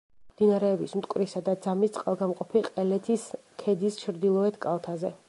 მდინარეების მტკვრისა და ძამის წყალგამყოფი ყელეთის ქედის ჩრდილოეთ კალთაზე.